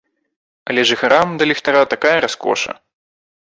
Але жыхарам да ліхтара такая раскоша.